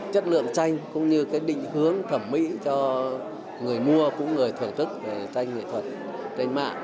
chất lượng tranh cũng như cái định hướng thẩm mỹ cho người mua cũng người thưởng thức tranh nghệ thuật trên mạng